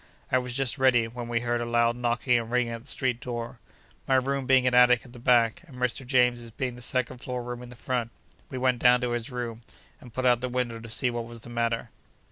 I was just ready, when we heard a loud knocking and ringing at the street door. My room being an attic at the back, and Mr. James's being the second floor room in the front, we went down to his room, and put up the window, to see what was the matter.